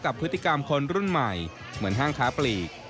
กับพฤติกรรมคนรุ่นใหม่เหมือนห้างค้าปลีก